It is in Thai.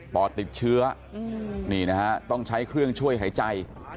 ปอดติดเชื้อนี่นะฮะต้องใช้เครื่องช่วยหายใจ